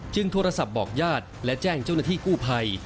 โทรศัพท์บอกญาติและแจ้งเจ้าหน้าที่กู้ภัย